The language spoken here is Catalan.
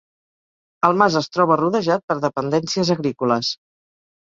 El mas es troba rodejat per dependències agrícoles.